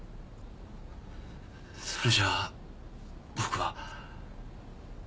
それじゃあ僕は。